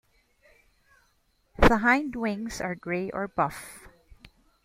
The hindwings are grey or buff.